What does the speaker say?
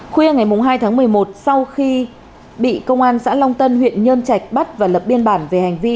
khuya ngày hai tháng một mươi một sau khi bị công an xã long tân huyện nhơn trạch bắt và lập biên bản về hành vi